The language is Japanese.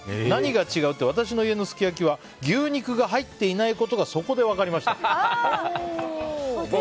何が違うって私の家のすきやきは牛肉が入っていないことがそこで分かりました。